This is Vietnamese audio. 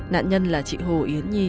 nạn nhân là chị hồ yến nhi